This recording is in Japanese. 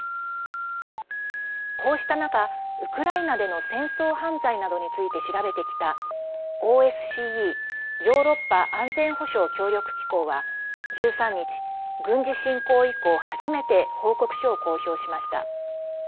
こうした中、ウクライナでの戦争犯罪などについて調べてきたＯＳＣＥ＝ヨーロッパ安全保障協力機構は１３日、軍事侵攻以降初めて報告書を公表しました。